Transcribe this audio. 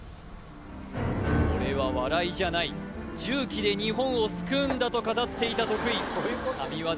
俺は笑いじゃない重機で日本を救うんだと語っていた徳井神業